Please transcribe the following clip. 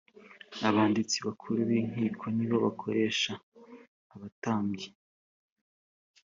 abanditsi bakuru b inkiko nibo bakoresha abatambyi